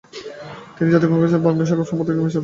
তিনি জাতীয় কংগ্রেসের বাংলা শাখার সম্পাদক নির্বাচিত হন।